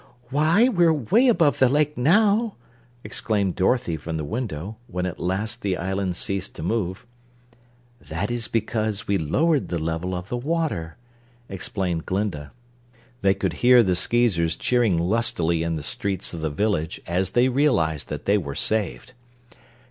"Why, we're way above the lake now!" exclaimed Dorothy from the window, when at last the island ceased to move. "That is because we lowered the level of the water," explained Glinda. They could hear the Skeezers cheering lustily in the streets of the village as they realized that they were saved.